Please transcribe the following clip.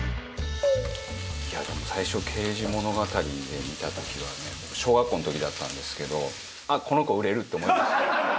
いやでも最初『刑事物語』で見た時はね僕小学校の時だったんですけどあっこの子売れる！って思いましたね。